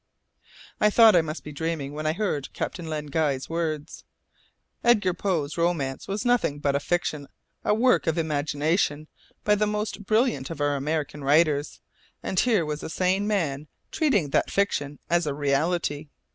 I thought I must be dreaming when I heard Captain Len Guy's words. Edgar Poe's romance was nothing but a fiction, a work of imagination by the most brilliant of our American writers. And here was a sane man treating that fiction as a reality.